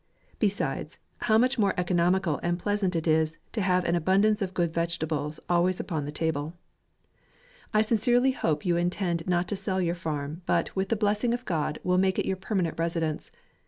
Besides, how much more economical and pleasant is it, to have an abundance of good vegetables always up on the table. 10 JANUARY. I sincerely hope you intend not to sell your farm, but, with the blessing of God, will make it your permanent residence.